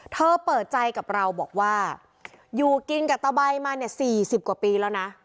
เธอเปิดใจกับเราบอกว่าอยู่กินกับตะใบมาเนี่ย๔๐กว่าปีแล้วนะ